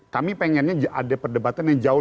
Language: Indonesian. kami pengennya ada perdebatan yang jauh